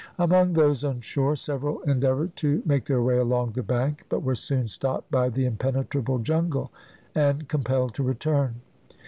Among those on shore several endeavoured to make their way along the bank, but were soon stopped by the impenetrable jungle, and compelled to return.